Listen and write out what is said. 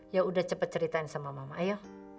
ya sudah cepat ceritakan sama mama ayo